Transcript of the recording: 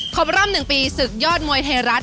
ครบรอบ๑ปีศึกยอดมวยไทยรัฐ